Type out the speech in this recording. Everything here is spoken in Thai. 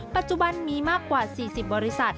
ปัจจุบันมีมากกว่า๔๐บริษัท